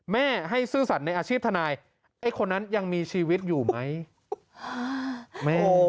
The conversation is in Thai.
แม่ให้ซื่อสัตว์ในอาชีพทนายไอ้คนนั้นยังมีชีวิตอยู่ไหม